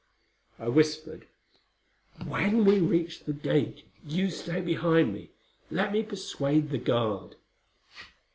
I whispered, "When we reach the gate you stay behind me. Let me persuade the guard."